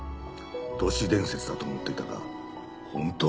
都市伝説だと思っていたが本当かもしれん。